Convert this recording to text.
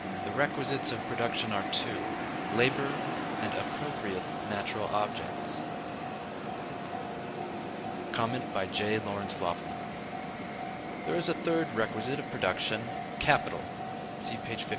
The Requisites of Production are Two: Labor, and Appropriate Natural Objects. There is a third requisite of production, capital (see page 58).